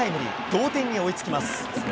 同点に追いつきます。